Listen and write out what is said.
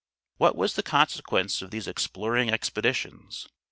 What was the consequence of these exploring expeditions?